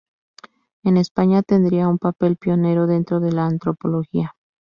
En España tendría un papel pionero dentro de la antropología.